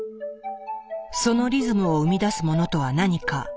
そのリズムを生み出すものとは何か。